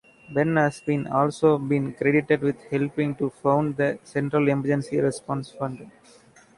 Benn has also been credited with helping to found the Central Emergency Response Fund.